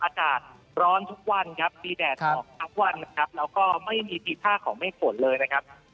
อากาศร้อนทุกวันครับมีแดดออกทุกวันนะครับแล้วก็ไม่มีทีท่าของเมฆฝนเลยนะครับ